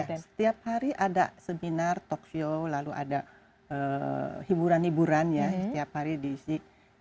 setiap hari ada seminar talkshow lalu ada hiburan hiburan ya setiap hari diisi